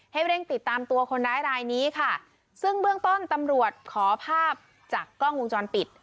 ให้เร่งติดตามตัวคนร้ายรายนี้ค่ะซึ่งเบื้องต้นตำรวจขอภาพจากกล้องวงจรปิด